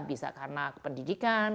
bisa karena pendidikan